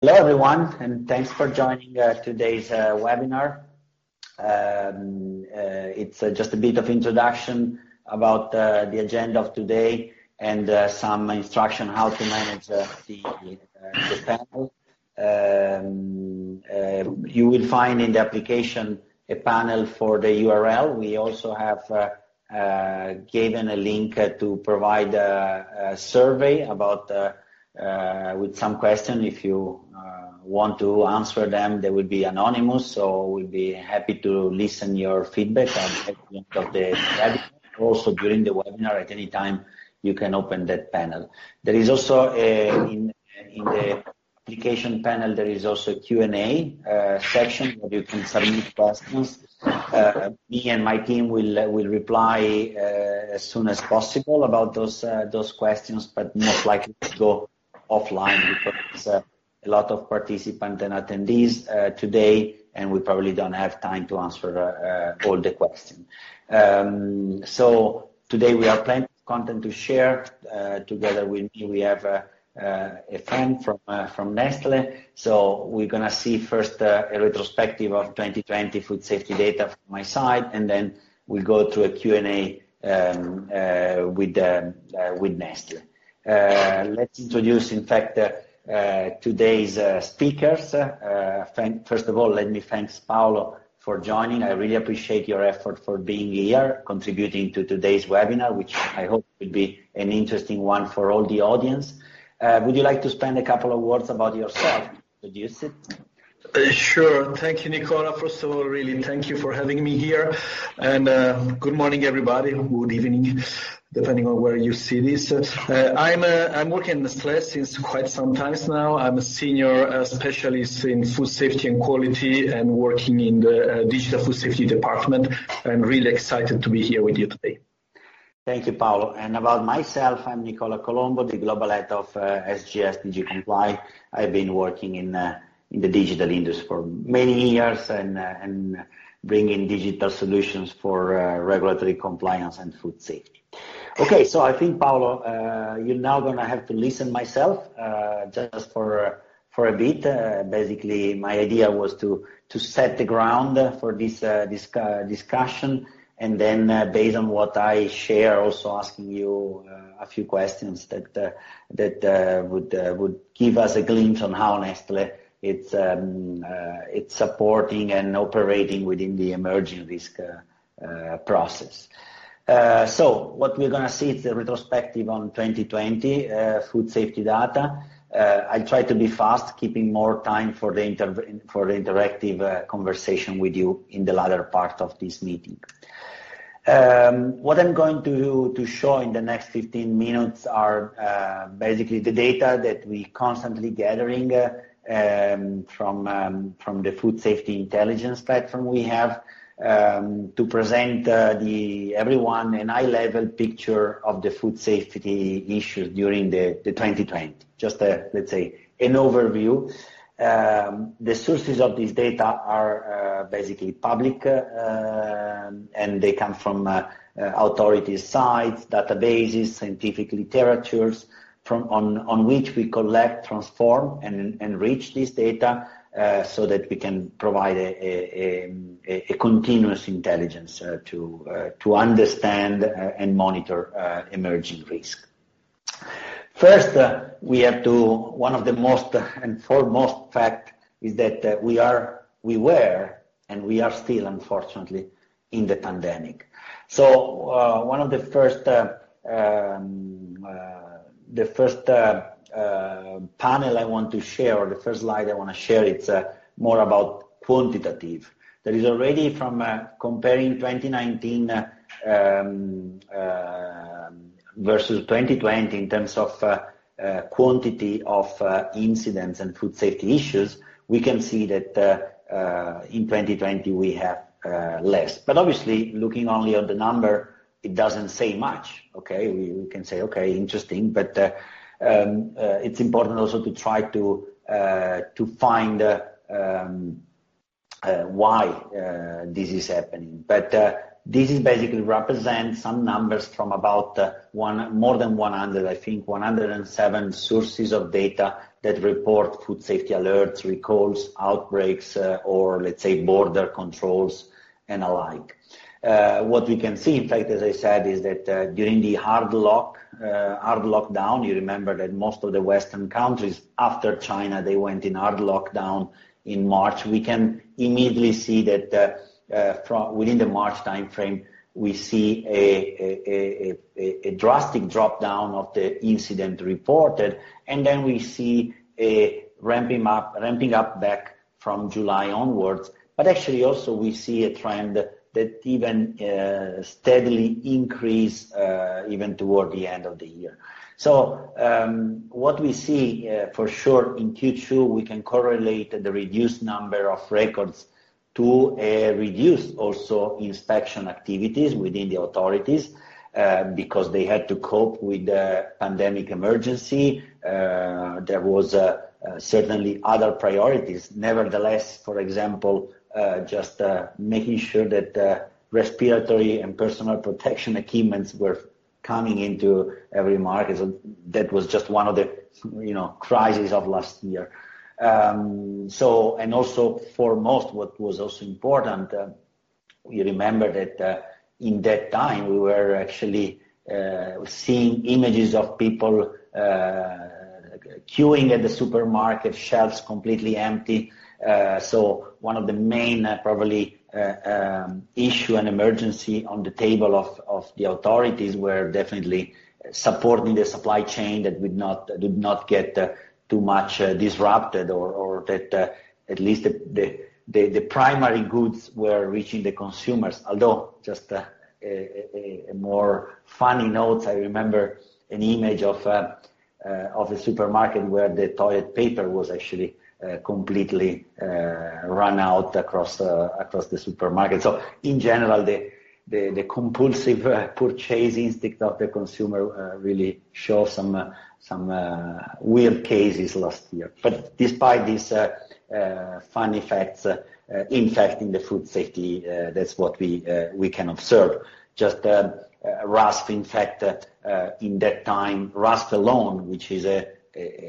Hello everyone, and thanks for joining today's webinar. It's just a bit of introduction about the agenda of today and some instruction on how to manage the panel. You will find in the application a panel for the URL. We also have given a link to provide a survey with some questions. If you want to answer them, they will be anonymous, so we'll be happy to listen to your feedback at the end of the webinar. Also, during the webinar, at any time, you can open that panel. There is also in the application panel a Q&A section where you can submit questions. Me and my team will reply as soon as possible about those questions, but most likely we'll go offline because there's a lot of participants and attendees today, and we probably don't have time to answer all the questions. So today we have plenty of content to share. Together with me, we have a friend from Nestlé, so we're going to see first a retrospective of 2020 food safety data from my side, and then we'll go through a Q&A with Nestlé. Let's introduce, in fact, today's speakers. First of all, let me thank Paolo for joining. I really appreciate your effort for being here, contributing to today's webinar, which I hope will be an interesting one for all the audience. Would you like to spend a couple of words about yourself and introduce it? Sure. Thank you, Nicola. First of all, really thank you for having me here. Good morning, everybody. Good evening, depending on where you see this. I'm working at Nestlé since quite some time now. I'm a senior specialist in food safety and quality and working in the digital food safety department. I'm really excited to be here with you today. Thank you, Paolo. And about myself, I'm Nicola Colombo, the global head of SGS DigiComply. I've been working in the digital industry for many years and bringing digital solutions for regulatory compliance and food safety. Okay, so I think, Paolo, you're now going to have to listen to myself just for a bit. Basically, my idea was to set the ground for this discussion, and then based on what I share, also asking you a few questions that would give us a glimpse on how Nestlé is supporting and operating within the emerging risk process. So what we're going to see is a retrospective on 2020 food safety data. I'll try to be fast, keeping more time for the interactive conversation with you in the latter part of this meeting. What I'm going to show in the next 15 minutes are basically the data that we are constantly gathering from the food safety intelligence platform we have to present to everyone an eye-level picture of the food safety issues during 2020. Just, let's say, an overview. The sources of this data are basically public, and they come from authority sites, databases, scientific literatures on which we collect, transform, and enrich this data so that we can provide a continuous intelligence to understand and monitor emerging risk. First, one of the most and foremost facts is that we were and we are still, unfortunately, in the pandemic. One of the first panels I want to share, or the first slide I want to share, is more about quantitative. That is already from comparing 2019 versus 2020 in terms of quantity of incidents and food safety issues. We can see that in 2020 we have less. But obviously, looking only at the number, it doesn't say much. Okay, we can say, "Okay, interesting." But it's important also to try to find why this is happening. But this basically represents some numbers from about more than 100, I think 107 sources of data that report food safety alerts, recalls, outbreaks, or let's say border controls and the like. What we can see, in fact, as I said, is that during the hard lockdown, you remember that most of the Western countries, after China, they went in hard lockdown in March. We can immediately see that within the March timeframe, we see a drastic drop down of the incidents reported, and then we see a ramping up back from July onwards. But actually, also we see a trend that even steadily increased even toward the end of the year. So what we see for sure in Q2, we can correlate the reduced number of records to a reduced also inspection activities within the authorities because they had to cope with the pandemic emergency. There were certainly other priorities. Nevertheless, for example, just making sure that respiratory and personal protection equipments were coming into every market. So that was just one of the crises of last year. And also foremost, what was also important, we remember that in that time we were actually seeing images of people queuing at the supermarket shelves completely empty. So one of the main probably issues and emergencies on the table of the authorities were definitely supporting the supply chain that did not get too much disrupted or that at least the primary goods were reaching the consumers. Although just a more funny note, I remember an image of a supermarket where the toilet paper was actually completely run out across the supermarket. So in general, the compulsive purchase instinct of the consumer really showed some weird cases last year. But despite these funny facts impacting the food safety, that's what we can observe. Just as RASFF, in fact, in that time, RASFF alone, which is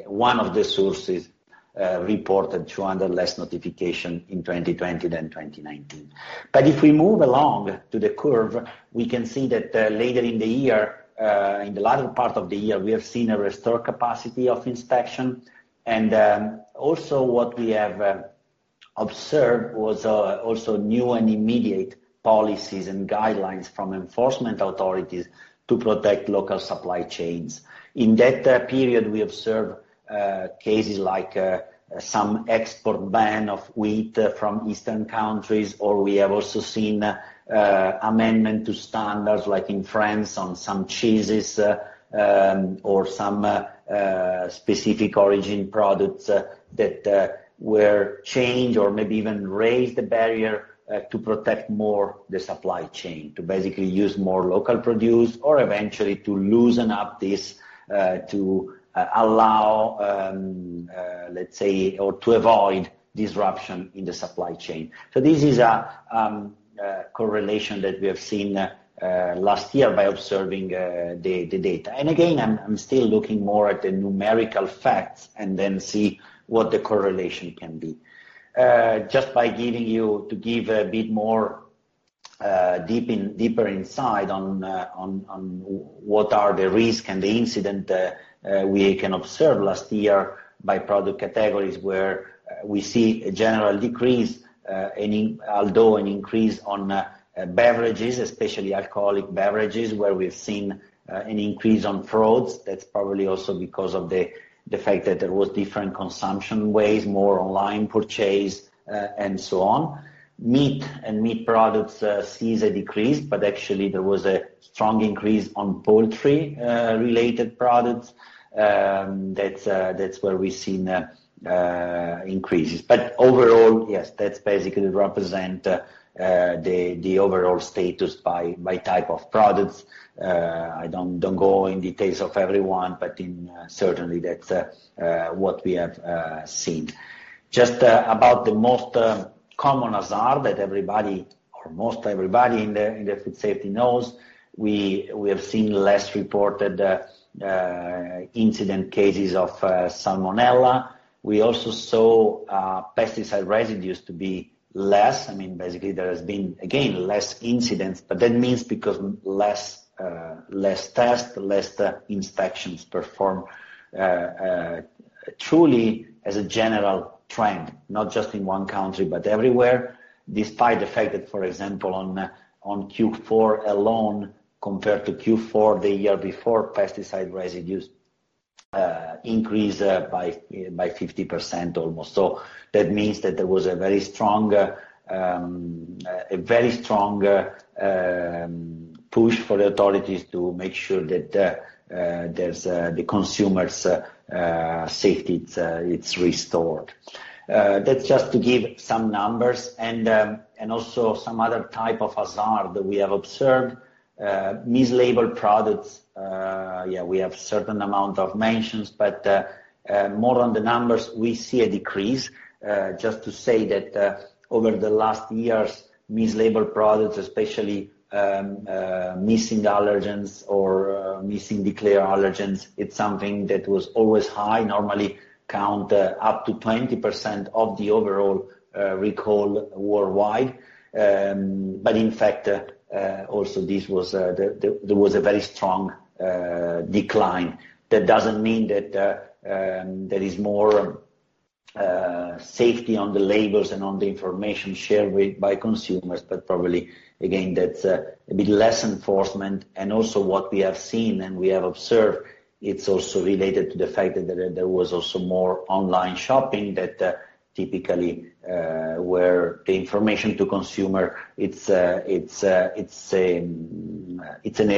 one of the sources, reported fewer notifications in 2020 than 2019. But if we move along to the curve, we can see that later in the year, in the latter part of the year, we have seen a restored capacity of inspection, and also what we have observed was new and immediate policies and guidelines from enforcement authorities to protect local supply chains. In that period, we observed cases like some export ban of wheat from Eastern countries, or we have also seen amendment to standards like in France on some cheeses or some specific origin products that were changed or maybe even raised the barrier to protect more the supply chain to basically use more local produce or eventually to loosen up this to allow, let's say, or to avoid disruption in the supply chain, so this is a correlation that we have seen last year by observing the data. Again, I'm still looking more at the numerical facts and then see what the correlation can be. Just by giving you to give a bit more deeper insight on what are the risk and the incident we can observe last year by product categories where we see a general decrease, although an increase on beverages, especially alcoholic beverages, where we've seen an increase on frauds. That's probably also because of the fact that there was different consumption ways, more online purchase, and so on. Meat and meat products see a decrease, but actually there was a strong increase on poultry-related products. That's where we've seen increases. But overall, yes, that's basically represent the overall status by type of products. I don't go into details of everyone, but certainly that's what we have seen. Just about the most common hazard that everybody, or most everybody in the food safety knows, we have seen less reported incident cases of Salmonella. We also saw pesticide residues to be less. I mean, basically there has been, again, less incidents, but that means because less tests, less inspections performed truly as a general trend, not just in one country, but everywhere, despite the fact that, for example, on Q4 alone, compared to Q4 the year before, pesticide residues increased by 50% almost. So that means that there was a very strong push for the authorities to make sure that the consumer's safety is restored. That's just to give some numbers and also some other type of hazard that we have observed. Mislabeled products, yeah, we have a certain amount of mentions, but more on the numbers, we see a decrease. Just to say that over the last years, mislabeled products, especially missing allergens or missing declared allergens, it's something that was always high, normally count up to 20% of the overall recall worldwide. But in fact, also there was a very strong decline. That doesn't mean that there is more safety on the labels and on the information shared by consumers, but probably, again, that's a bit less enforcement. And also what we have seen and we have observed, it's also related to the fact that there was also more online shopping that typically were the information to consumer. It's an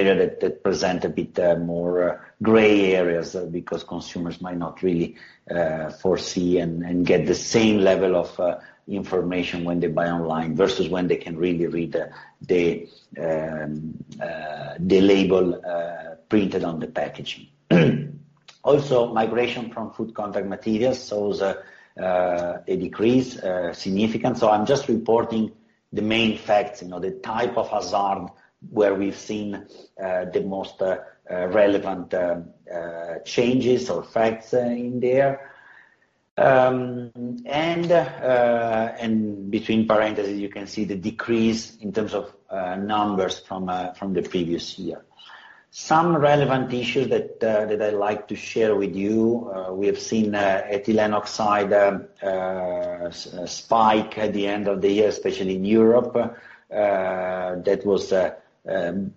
area that presents a bit more gray areas because consumers might not really foresee and get the same level of information when they buy online versus when they can really read the label printed on the packaging. Also, migration from food contact materials shows a decrease significant. So I'm just reporting the main facts, the type of hazard where we've seen the most relevant changes or facts in there. And between parentheses, you can see the decrease in terms of numbers from the previous year. Some relevant issues that I'd like to share with you, we have seen ethylene oxide spike at the end of the year, especially in Europe. That was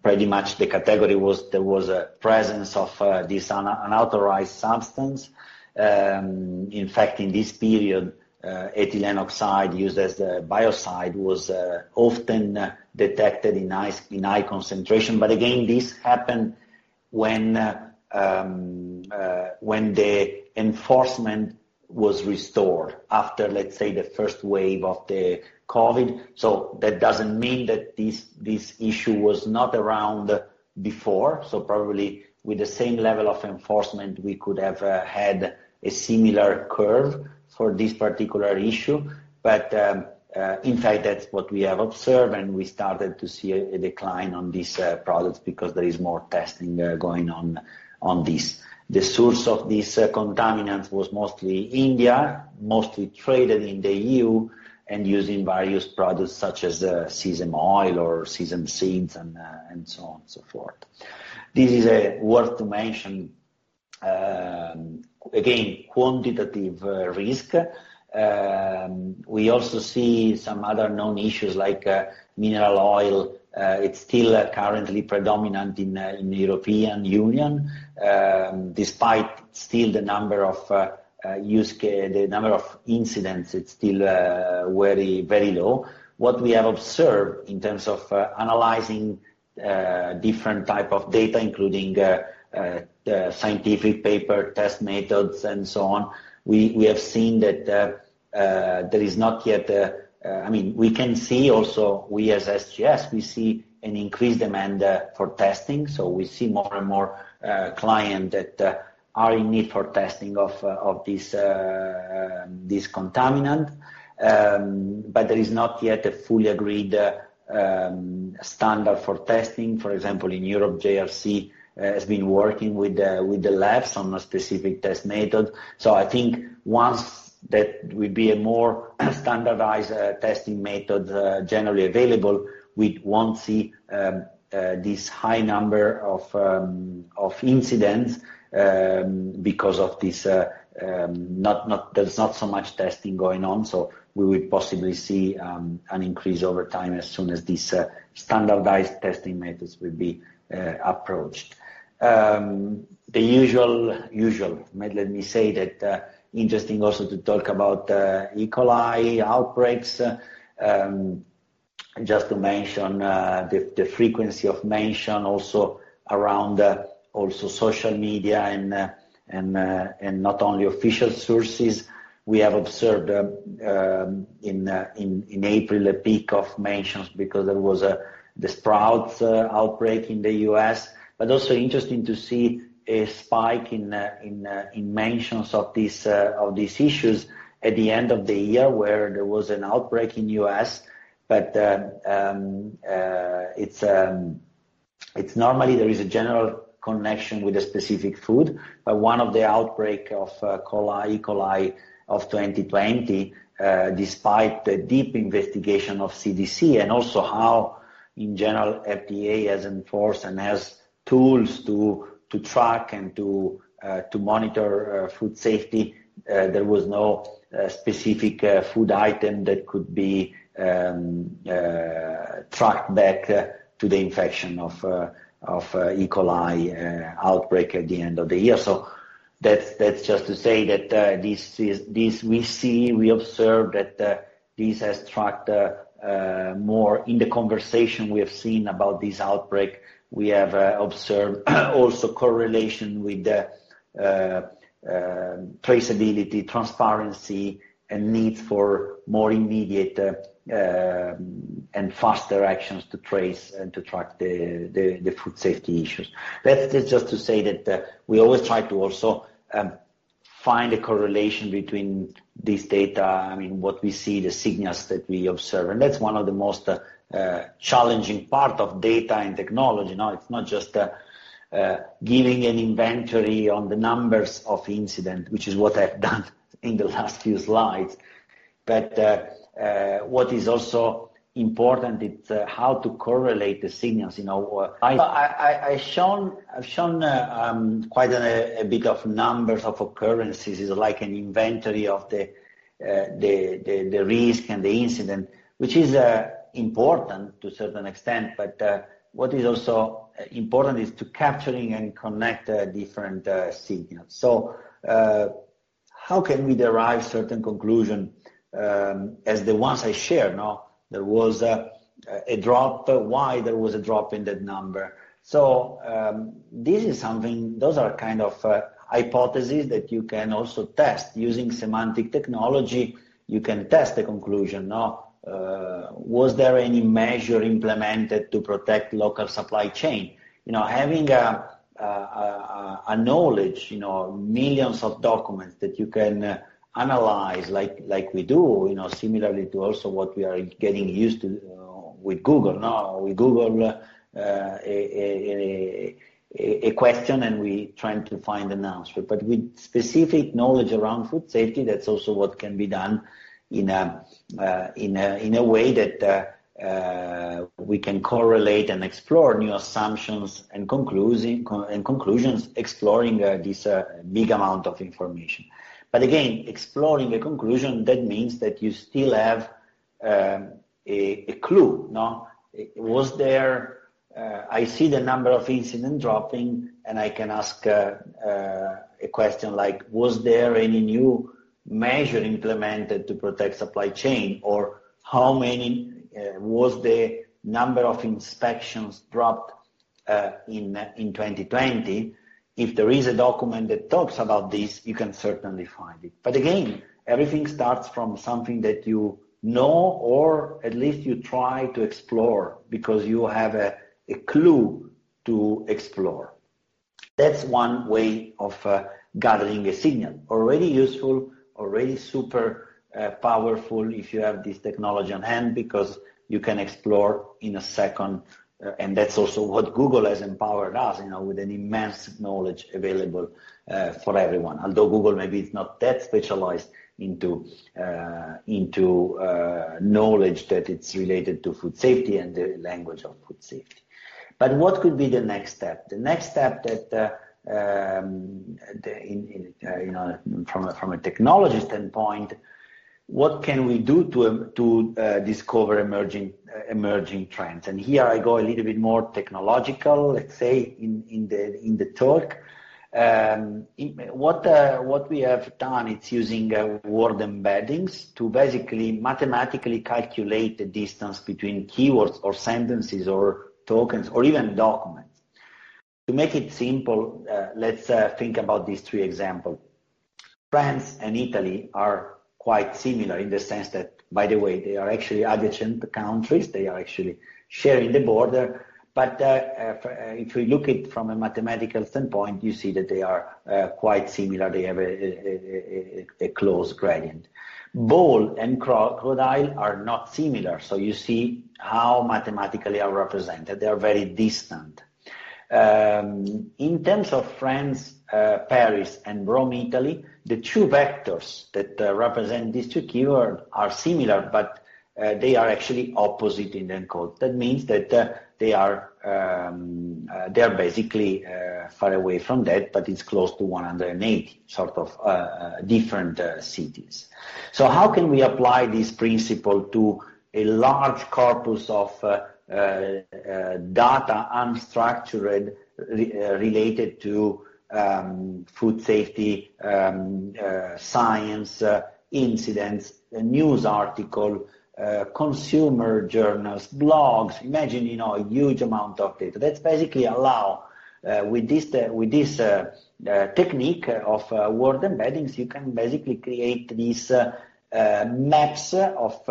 pretty much the category was there was a presence of this unauthorized substance. In fact, in this period, ethylene oxide used as a biocide was often detected in high concentration. But again, this happened when the enforcement was restored after, let's say, the first wave of the COVID. So that doesn't mean that this issue was not around before. So probably with the same level of enforcement, we could have had a similar curve for this particular issue. But in fact, that's what we have observed, and we started to see a decline on these products because there is more testing going on this. The source of these contaminants was mostly India, mostly traded in the EU, and using various products such as sesame oil or sesame seeds and so on and so forth. This is worth to mention, again, quantitative risk. We also see some other known issues like mineral oil. It's still currently predominant in the European Union, despite still the number of incidents, it's still very low. What we have observed in terms of analyzing different types of data, including scientific paper, test methods, and so on, we have seen that there is not yet a—I mean, we can see also, we as SGS, we see an increased demand for testing. So we see more and more clients that are in need for testing of this contaminant. But there is not yet a fully agreed standard for testing. For example, in Europe, JRC has been working with the labs on a specific test method. So I think once that would be a more standardized testing method generally available, we won't see this high number of incidents because of this. There's not so much testing going on. So we would possibly see an increase over time as soon as these standardized testing methods would be approached. Let me say that's interesting also to talk about E-coli outbreaks. Just to mention the frequency of mention also around social media and not only official sources, we have observed in April a peak of mentions because there was the sprouts outbreak in the U.S. But also interesting to see a spike in mentions of these issues at the end of the year where there was an outbreak in the U.S. But it's normally there is a general connection with a specific food. But one of the outbreaks of E. coli of 2020, despite the deep investigation of CDC and also how in general FDA has enforced and has tools to track and to monitor food safety, there was no specific food item that could be tracked back to the infection of E-coli outbreak at the end of the year. So that's just to say that this we see, we observe that this has tracked more in the conversation we have seen about this outbreak. We have observed also correlation with traceability, transparency, and need for more immediate and faster actions to trace and to track the food safety issues. That's just to say that we always try to also find a correlation between this data, I mean, what we see, the signals that we observe. And that's one of the most challenging parts of data and technology. It's not just giving an inventory on the numbers of incidents, which is what I've done in the last few slides. But what is also important is how to correlate the signals. I've shown quite a bit of numbers of occurrences. It's like an inventory of the risk and the incident, which is important to a certain extent. But what is also important is to capture and connect different signals. So how can we derive certain conclusions as the ones I shared? There was a drop. Why there was a drop in that number? So this is something. Those are kind of hypotheses that you can also test using semantic technology. You can test the conclusion. Was there any measure implemented to protect local supply chain? Having a knowledge, millions of documents that you can analyze like we do, similarly to also what we are getting used to with Google. We Google a question and we try to find an answer. But with specific knowledge around food safety, that's also what can be done in a way that we can correlate and explore new assumptions and conclusions exploring this big amount of information. But again, exploring a conclusion, that means that you still have a clue. I see the number of incidents dropping, and I can ask a question like, was there any new measure implemented to protect supply chain? Or how many was the number of inspections dropped in 2020? If there is a document that talks about this, you can certainly find it. But again, everything starts from something that you know or at least you try to explore because you have a clue to explore. That's one way of gathering a signal. Already useful, already super powerful if you have this technology on hand because you can explore in a second. And that's also what Google has empowered us with an immense knowledge available for everyone. Although Google maybe is not that specialized into knowledge that it's related to food safety and the language of food safety. But what could be the next step? The next step, from a technology standpoint, what can we do to discover emerging trends? And here I go a little bit more technological, let's say, in the talk. What we have done, it's using word embeddings to basically mathematically calculate the distance between keywords or sentences or tokens or even documents. To make it simple, let's think about these three examples. France and Italy are quite similar in the sense that, by the way, they are actually adjacent countries. They are actually sharing the border. But if we look at it from a mathematical standpoint, you see that they are quite similar. They have a close gradient. Bull and crocodile are not similar. So you see how mathematically they are represented. They are very distant. In terms of France, Paris, and Rome, Italy, the two vectors that represent these two keywords are similar, but they are actually opposite in their code. That means that they are basically far away from that, but it's close to 180, sort of different cities. So how can we apply this principle to a large corpus of data unstructured related to food safety, science, incidents, news articles, consumer journals, blogs? Imagine a huge amount of data. That's basically allowed with this technique of word embeddings. You can basically create these maps of,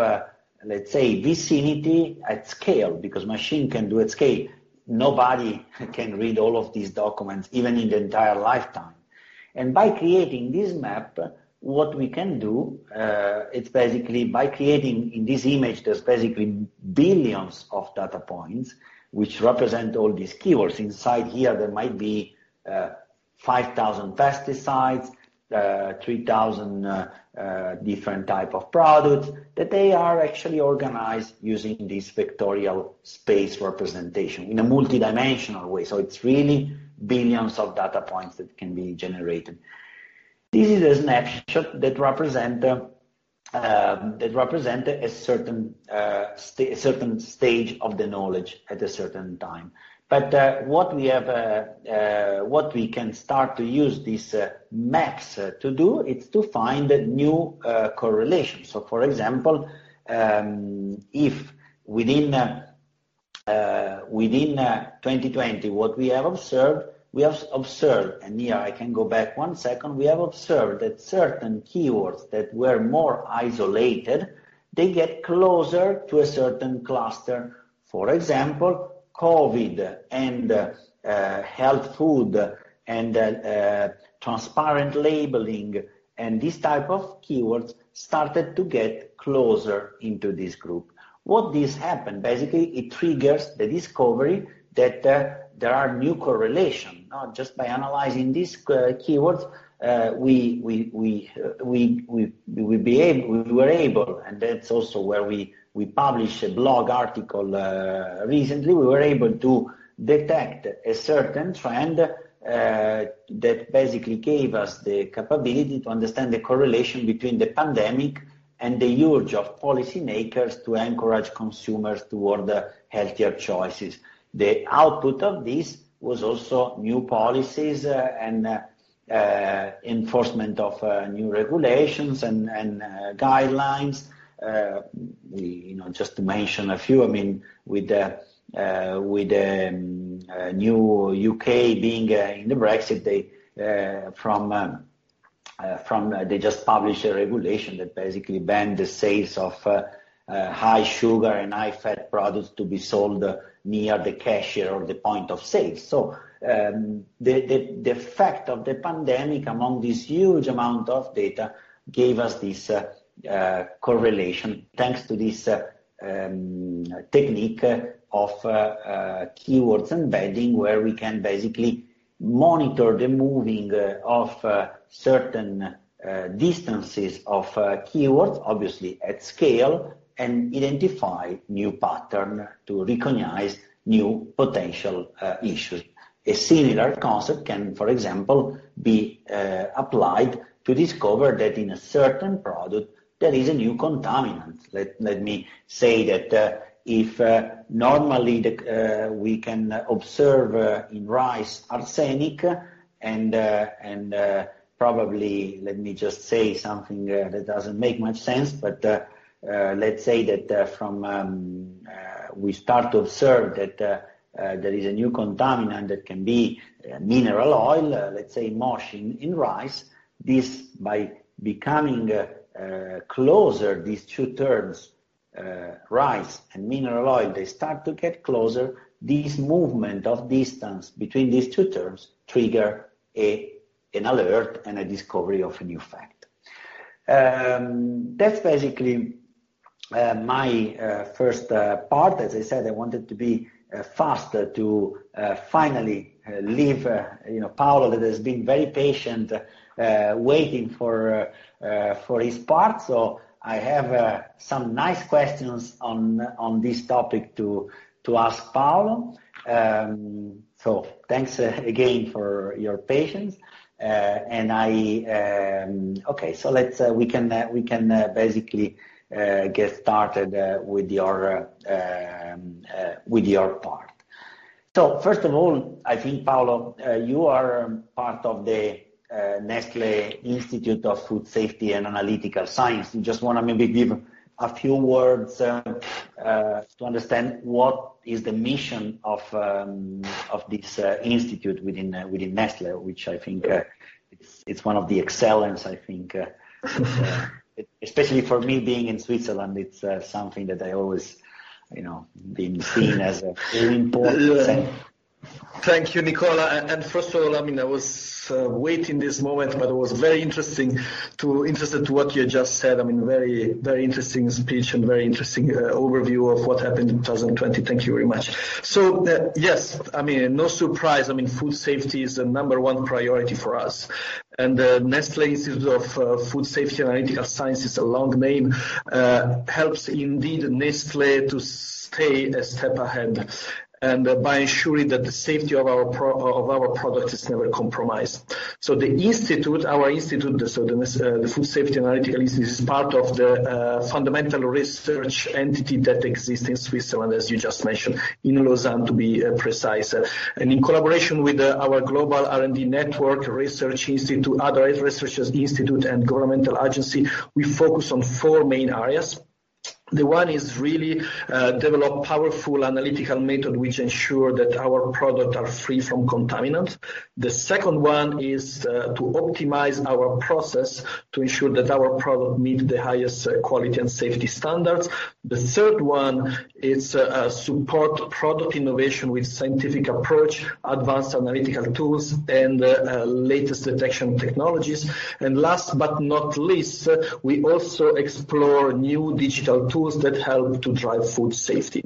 let's say, vicinity at scale because machines can do at scale. Nobody can read all of these documents even in the entire lifetime, and by creating this map, what we can do, it's basically by creating in this image, there's basically billions of data points which represent all these keywords. Inside here, there might be 5,000 pesticides, 3,000 different types of products that they are actually organized using this vectorial space representation in a multidimensional way, so it's really billions of data points that can be generated. This is a snapshot that represents a certain stage of the knowledge at a certain time, but what we can start to use these maps to do, it's to find new correlations. So for example, if within 2020, what we have observed (and here, I can go back one second) we have observed that certain keywords that were more isolated, they get closer to a certain cluster. For example, COVID and health food and transparent labeling and these types of keywords started to get closer into this group. What this happened, basically, it triggers the discovery that there are new correlations. Just by analyzing these keywords, we were able (and that's also where we published a blog article recently) to detect a certain trend that basically gave us the capability to understand the correlation between the pandemic and the urge of policymakers to encourage consumers toward healthier choices. The output of this was also new policies and enforcement of new regulations and guidelines. Just to mention a few, I mean, with the new U.K. being in the Brexit, they just published a regulation that basically banned the sales of high sugar and high fat products to be sold near the cashier or the point of sale. So the effect of the pandemic among this huge amount of data gave us this correlation thanks to this technique of keywords embedding where we can basically monitor the moving of certain distances of keywords, obviously at scale, and identify new patterns to recognize new potential issues. A similar concept can, for example, be applied to discover that in a certain product, there is a new contaminant. Let me say that if normally we can observe in rice arsenic and probably let me just say something that doesn't make much sense, but let's say that we start to observe that there is a new contaminant that can be mineral oil, let's say MOSH in rice. This by becoming closer, these two terms, rice and mineral oil, they start to get closer. This movement of distance between these two terms triggers an alert and a discovery of a new fact. That's basically my first part. As I said, I wanted to be faster to finally leave Paolo that has been very patient waiting for his part. So I have some nice questions on this topic to ask Paolo. So thanks again for your patience. And okay, so we can basically get started with your part. So first of all, I think Paolo, you are part of the Nestlé Institute of Food Safety and Analytical Sciences. I just want to maybe give a few words to understand what is the mission of this institute within Nestlé, which I think it's a center of excellence, I think, especially for me being in Switzerland. It's something that I always been seen as very important. Thank you, Nicola. And first of all, I mean, I was waiting for this moment, but I was very interested in what you just said. I mean, very interesting speech and very interesting overview of what happened in 2020. Thank you very much. So yes, I mean, no surprise. I mean, food safety is the number one priority for us. The Nestlé Institute of Food Safety and Analytical Sciences is a long name, helps indeed Nestlé to stay a step ahead by ensuring that the safety of our products is never compromised. The institute, our institute, the Food Safety and Analytical Institute, is part of the fundamental research entity that exists in Switzerland, as you just mentioned, in Lausanne, to be precise. In collaboration with our global R&D network, research institute, other research institute, and governmental agency, we focus on four main areas. The one is really to develop powerful analytical methods which ensure that our products are free from contaminants. The second one is to optimize our process to ensure that our products meet the highest quality and safety standards. The third one is to support product innovation with scientific approach, advanced analytical tools, and latest detection technologies. And last but not least, we also explore new digital tools that help to drive food safety.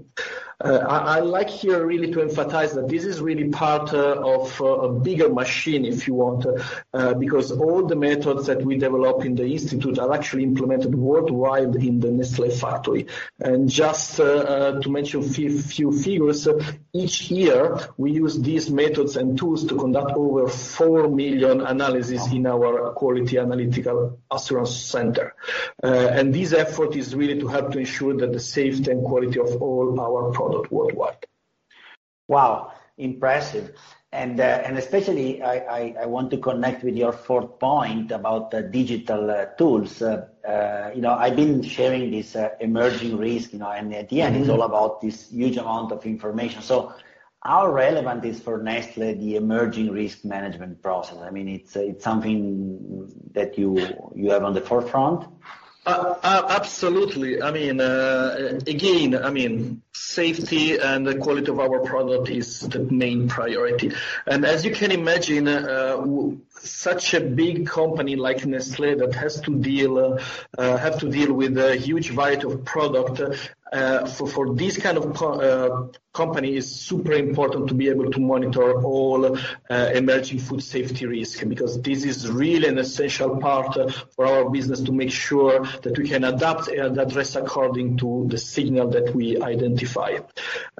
I'd like here really to emphasize that this is really part of a bigger machine, if you want, because all the methods that we develop in the institute are actually implemented worldwide in the Nestlé factory. And just to mention a few figures, each year, we use these methods and tools to conduct over four million analyses in our quality analytical assurance center. And this effort is really to help to ensure that the safety and quality of all our products worldwide. Wow, impressive. And especially, I want to connect with your fourth point about digital tools. I've been sharing this emerging risk, and at the end, it's all about this huge amount of information. So how relevant is for Nestlé the emerging risk management process? I mean, it's something that you have on the forefront. Absolutely. I mean, again, I mean, safety and the quality of our product is the main priority. And as you can imagine, such a big company like Nestlé that has to deal with a huge variety of products for this kind of company is super important to be able to monitor all emerging food safety risks because this is really an essential part for our business to make sure that we can adapt and address according to the signal that we identify.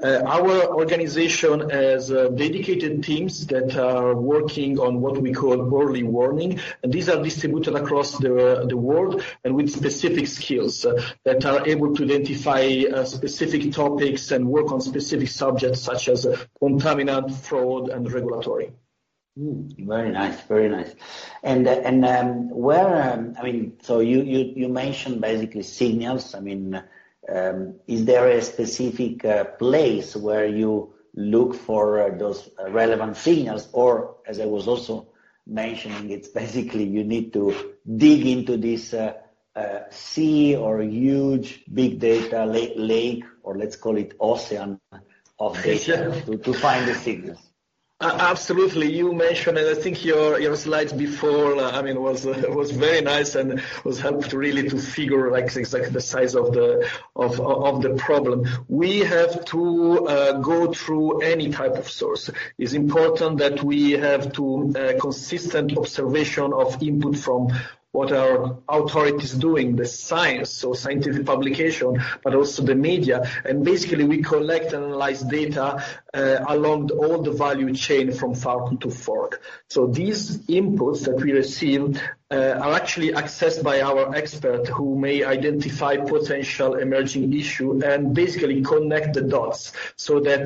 Our organization has dedicated teams that are working on what we call early warning, and these are distributed across the world and with specific skills that are able to identify specific topics and work on specific subjects such as contaminant, fraud, and regulatory. Very nice. Very nice. And where I mean, so you mentioned basically signals. I mean, is there a specific place where you look for those relevant signals? Or as I was also mentioning, it's basically you need to dig into this sea or huge big data lake or let's call it ocean of data to find the signals. Absolutely. You mentioned it. I think your slides before, I mean, was very nice and was helped really to figure exactly the size of the problem. We have to go through any type of source. It's important that we have to consistent observation of input from what our authority is doing, the science, so scientific publication, but also the media. And basically, we collect and analyze data along all the value chain from Farm to Fork. These inputs that we receive are actually accessed by our expert who may identify potential emerging issues and basically connect the dots so that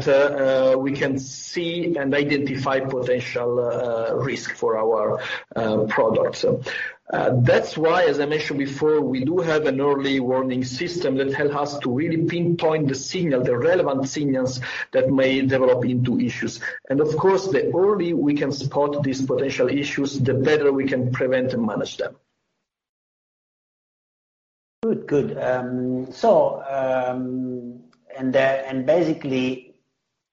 we can see and identify potential risk for our products. That's why, as I mentioned before, we do have an early warning system that helps us to really pinpoint the signals, the relevant signals that may develop into issues. And of course, the earlier we can spot these potential issues, the better we can prevent and manage them. Good. Good. And basically,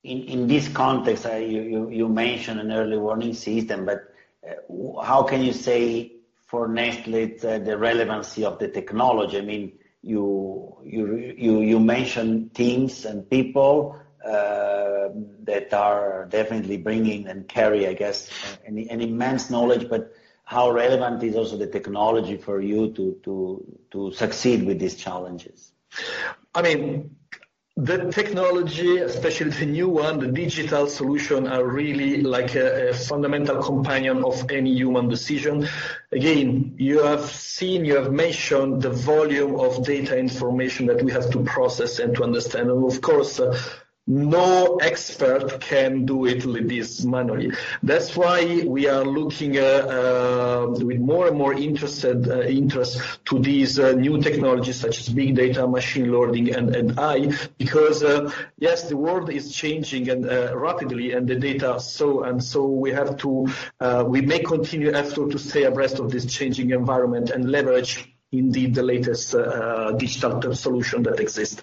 in this context, you mentioned an early warning system, but how can you say for Nestlé the relevancy of the technology? I mean, you mentioned teams and people that are definitely bringing and carry, I guess, an immense knowledge, but how relevant is also the technology for you to succeed with these challenges? I mean, the technology, especially the new one, the digital solution, are really like a fundamental companion of any human decision. Again, you have seen, you have mentioned the volume of data information that we have to process and to understand. And of course, no expert can do it with this manually. That's why we are looking with more and more interest to these new technologies such as big data, machine learning, and AI because, yes, the world is changing rapidly and the data, so we have to continue to stay abreast of this changing environment and leverage indeed the latest digital solution that exists.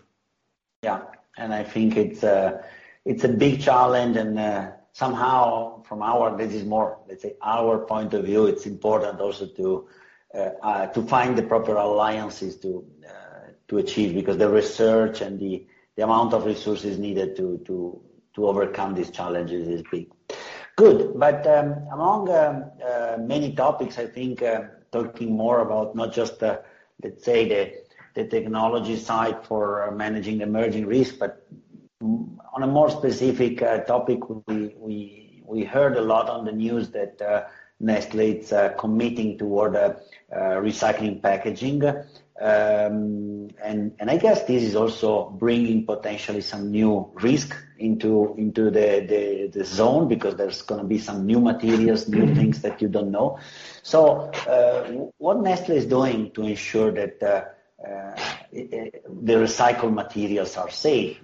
Yeah. And I think it's a big challenge. And somehow from our, this is more, let's say, our point of view, it's important also to find the proper alliances to achieve because the research and the amount of resources needed to overcome these challenges is big. Good. But among many topics, I think talking more about not just, let's say, the technology side for managing emerging risk, but on a more specific topic, we heard a lot on the news that Nestlé is committing toward recycling packaging. And I guess this is also bringing potentially some new risk into the zone because there's going to be some new materials, new things that you don't know. So what Nestlé is doing to ensure that the recycled materials are safe.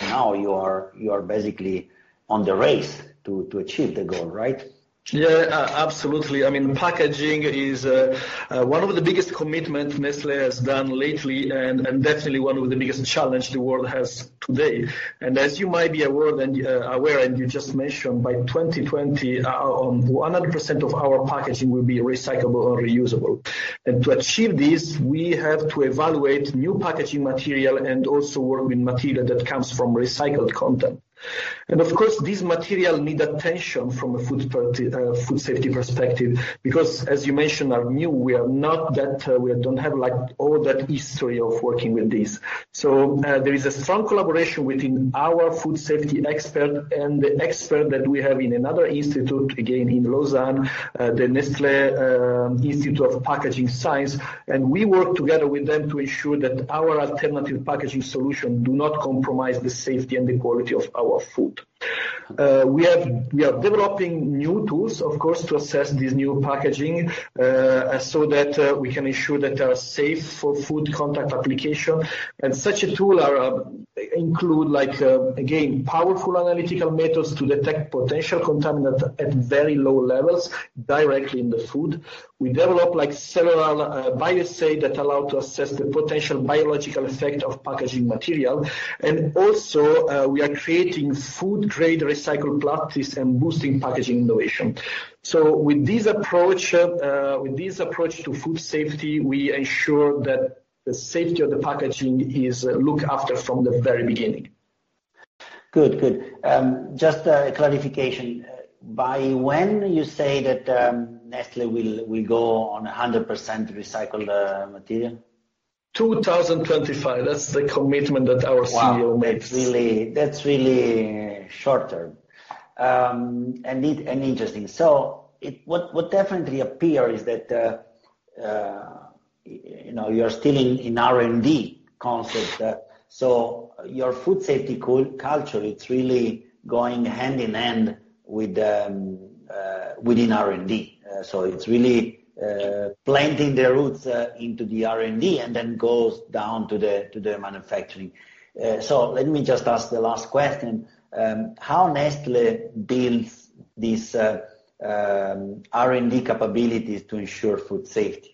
Now you are basically on the race to achieve the goal, right? Yeah, absolutely. I mean, packaging is one of the biggest commitments Nestlé has done lately and definitely one of the biggest challenges the world has today. And as you might be aware and you just mentioned, by 2020, 100% of our packaging will be recyclable or reusable. And to achieve this, we have to evaluate new packaging material and also work with material that comes from recycled content. And of course, these materials need attention from a food safety perspective because, as you mentioned, are new. We are not that we don't have all that history of working with these. So there is a strong collaboration within our food safety expert and the expert that we have in another institute, again, in Lausanne, the Nestlé Institute of Packaging Sciences. And we work together with them to ensure that our alternative packaging solutions do not compromise the safety and the quality of our food. We are developing new tools, of course, to assess these new packaging so that we can ensure that they are safe for food contact application. And such a tool includes, again, powerful analytical methods to detect potential contaminants at very low levels directly in the food. We develop several bioassays that allow us to assess the potential biological effect of packaging material. And also, we are creating food-grade recycled plastics and boosting packaging innovation. So with this approach, with this approach to food safety, we ensure that the safety of the packaging is looked after from the very beginning. Good. Good. Just a clarification. By when you say that Nestlé will go on 100% recycled material? 2025. That's the commitment that our CEO makes. That's really short-term and interesting. What definitely appears is that you're still in R&D concept. Your food safety culture, it's really going hand in hand within R&D. It's really planting the roots into the R&D and then goes down to the manufacturing. Let me just ask the last question. How Nestlé builds these R&D capabilities to ensure food safety?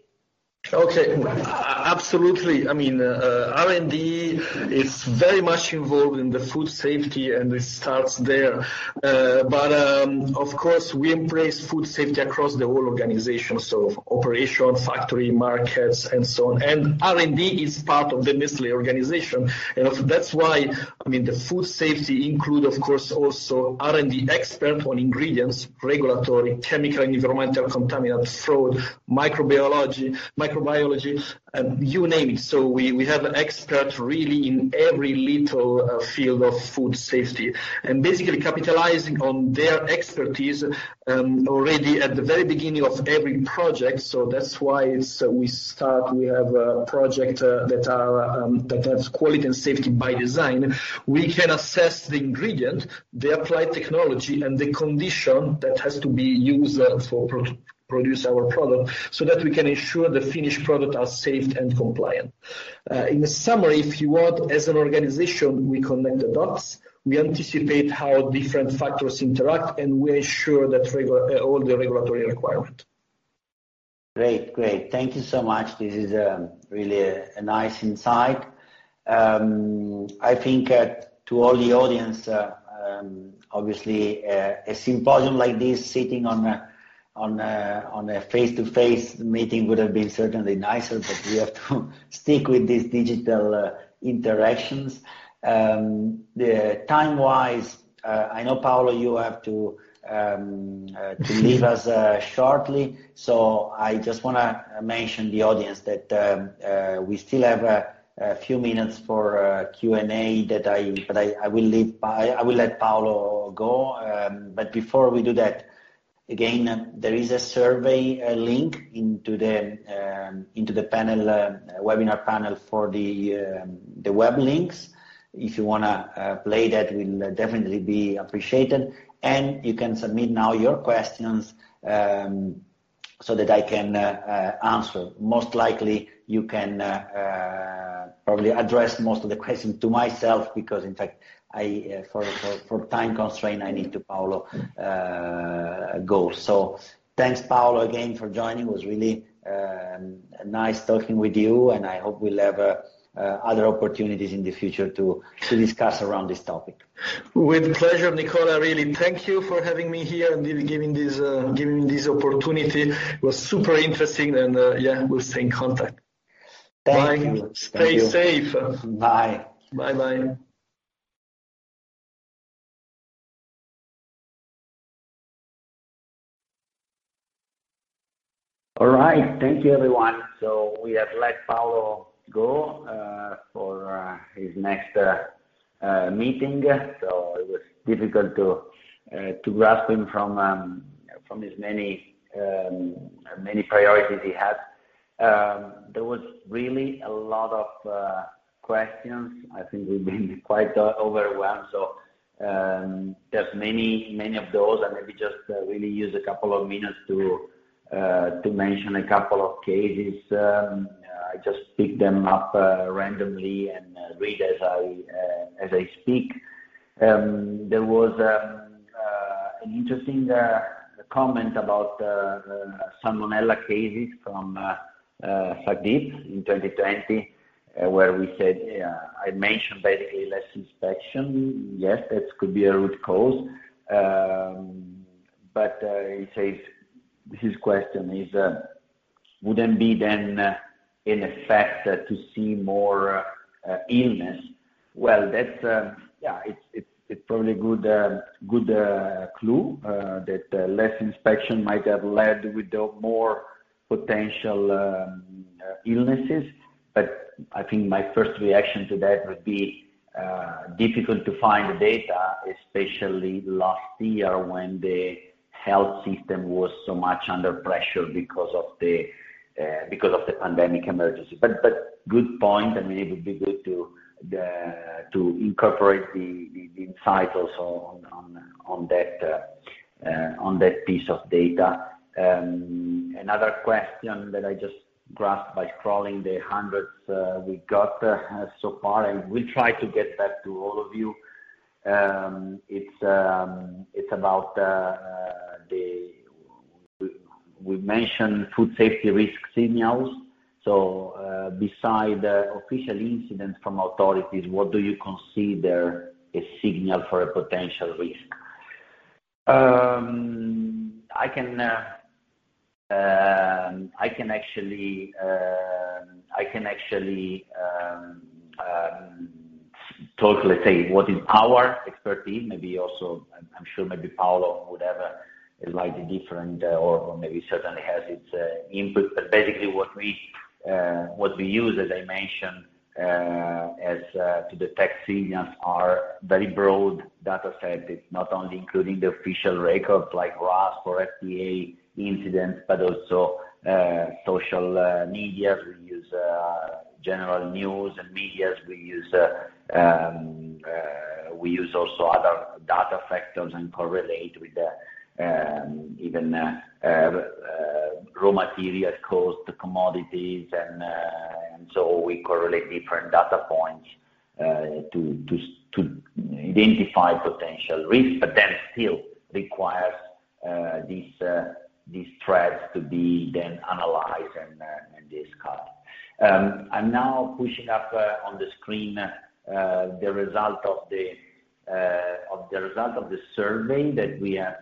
Okay. Absolutely. I mean, R&D is very much involved in the food safety, and it starts there, but of course, we embrace food safety across the whole organization, so operation, factory, markets, and so on, and R&D is part of the Nestlé organization. That's why, I mean, the food safety includes, of course, also R&D expert on ingredients, regulatory, chemical, and environmental contaminants, fraud, microbiology, you name it. We have an expert really in every little field of food safety. Basically capitalizing on their expertise already at the very beginning of every project. That's why we start. We have a project that has quality and safety by design. We can assess the ingredient, the applied technology, and the condition that has to be used to produce our product so that we can ensure the finished product is safe and compliant. In summary, if you want, as an organization, we connect the dots. We anticipate how different factors interact, and we ensure that all the regulatory requirements. Great. Great. Thank you so much. This is really a nice insight. I think, to all the audience, obviously, a symposium like this sitting on a face-to-face meeting would have been certainly nicer, but we have to stick with these digital interactions. Time-wise, I know Paolo, you have to leave us shortly. So I just want to mention the audience that we still have a few minutes for Q&A that I will let Paolo go. But before we do that, again, there is a survey link into the webinar panel for the web links. If you want to play that, it will definitely be appreciated. And you can submit now your questions so that I can answer. Most likely, you can probably address most of the questions to myself because, in fact, for time constraint, I need to Paolo go. So thanks, Paolo, again, for joining. It was really nice talking with you, and I hope we'll have other opportunities in the future to discuss around this topic. With pleasure, Nicola. I really thank you for having me here and giving me this opportunity. It was super interesting, and yeah, we'll stay in contact. Thank you. Stay safe. Bye. Bye-bye. All right. Thank you, everyone. So we have let Paolo go for his next meeting. So it was difficult to grasp him from his many priorities he had. There was really a lot of questions. I think we've been quite overwhelmed. So there's many of those. I maybe just really use a couple of minutes to mention a couple of cases. I just picked them up randomly and read as I speak. There was an interesting comment about Salmonella cases from Sagit in 2020 where we said I mentioned basically less inspection. Yes, that could be a root cause. But he says his question is, wouldn't be then an effect to see more illness? Well, yeah, it's probably a good clue that less inspection might have led with more potential illnesses. But I think my first reaction to that would be difficult to find the data, especially last year when the health system was so much under pressure because of the pandemic emergency. But good point. I mean, it would be good to incorporate the insight also on that piece of data. Another question that I just grasped by scrolling the hundreds we got so far, and we'll try to get back to all of you. It's about that we mentioned food safety risk signals. So besides official incidents from authorities, what do you consider a signal for a potential risk? I can actually talk, let's say, what is our expertise. Maybe also, I'm sure maybe Paolo would have a slightly different or maybe certainly has his input. But basically, what we use, as I mentioned, to detect signals are very broad datasets, not only including the official records like RASFF or FDA incidents, but also social media. We use general news and media. We use also other data factors and correlate with even raw materials caused to commodities. And so we correlate different data points to identify potential risk, but then still requires these threads to be then analyzed and discussed. I'm now pushing up on the screen the result of the survey that we have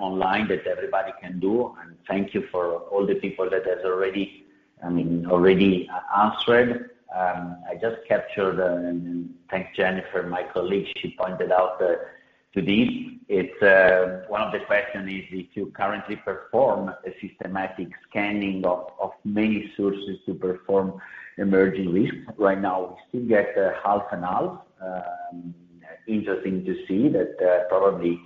online that everybody can do. And thank you for all the people that have already answered. I just captured, and thanks, Jennifer, my colleague. She pointed out to these. One of the questions is, if you currently perform a systematic scanning of many sources to perform emerging risk, right now we still get half and half. Interesting to see that probably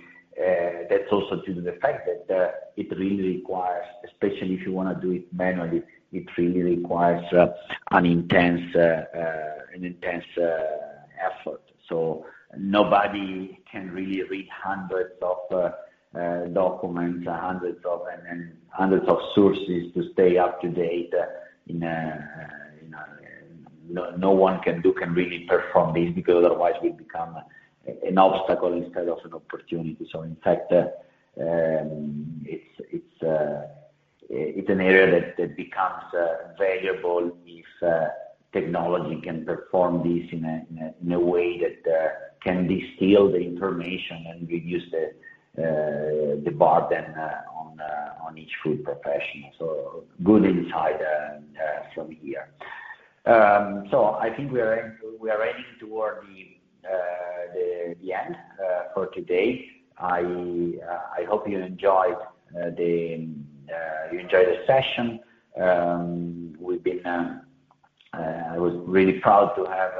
that's also due to the fact that it really requires, especially if you want to do it manually, it really requires an intense effort. So nobody can really read hundreds of documents, hundreds of sources to stay up to date. No one can really perform this because otherwise we become an obstacle instead of an opportunity. So in fact, it's an area that becomes valuable if technology can perform this in a way that can distill the information and reduce the burden on each food professional. So good insight from here. So I think we are heading toward the end for today. I hope you enjoyed the session. I was really proud to have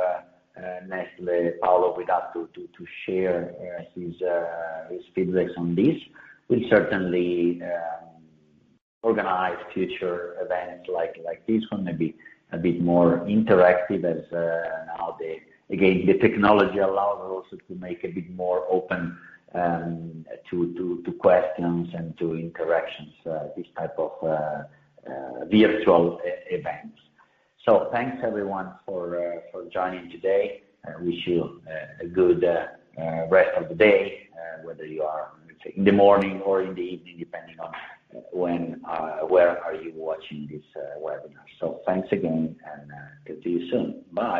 Nestlé Paolo with us to share his feedback on this. We'll certainly organize future events like this one, maybe a bit more interactive as now. Again, the technology allows us to make a bit more open to questions and to interactions, this type of virtual events. So thanks, everyone, for joining today. I wish you a good rest of the day, whether you are in the morning or in the evening, depending on where you are watching this webinar. So thanks again, and talk to you soon. Bye.